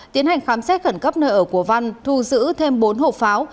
tiến hành khám xét khẩn cấp nơi ở của văn thu giữ thêm bốn hộp pháo